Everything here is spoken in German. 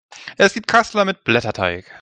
Es gibt Kassler mit Blätterteig.